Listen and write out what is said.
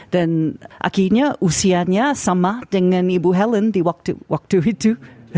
dan akhirnya usianya sama dengan ibu helen di waktu itu